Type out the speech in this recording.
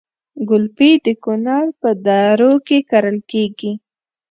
ګلپي د کونړ په درو کې کرل کیږي